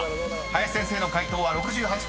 林先生の解答は６８％］